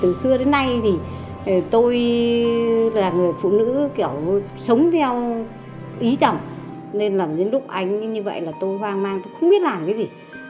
từ xưa đến nay thì tôi là người phụ nữ kiểu sống theo ý chồng nên làm đến lúc anh như vậy là tôi hoang mang tôi không biết làm cái gì